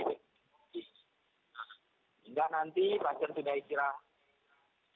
sehingga nanti pasien sudah istirahat